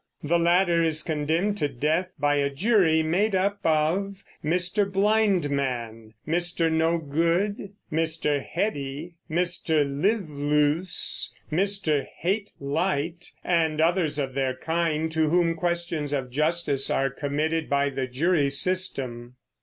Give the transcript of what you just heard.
The latter is condemned to death by a jury made up of Mr. Blindman, Mr. Nogood, Mr. Heady, Mr. Liveloose, Mr. Hatelight, and others of their kind to whom questions of justice are committed by the jury system.